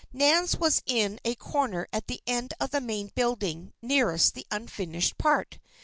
Nan's was in a corner at the end of the main building nearest the unfinished part.